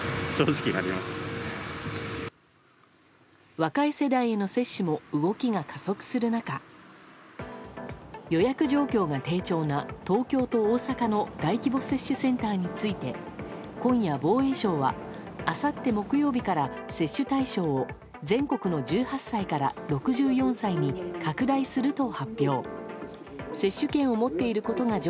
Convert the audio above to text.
若い世代への接種も動きが加速する中予約状況が低調な東京と大阪の大規模接種センターについて今夜、防衛省はあさって木曜日から接種対象を全国の１８歳から６４歳に拡大すると発表。